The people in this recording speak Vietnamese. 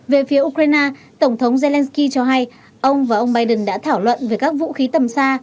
về phía ukraine tổng thống zelensky cho hay ông và ông biden đã thảo luận về các vũ khí tầm xa